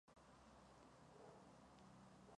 Why Don't We Do It in the Road?